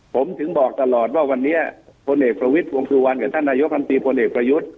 ผมถึงบอกตลอดว่าวันนี้พลเอกประวิทย์วงสุวรรณกับท่านนายกรรมตรีพลเอกประยุทธ์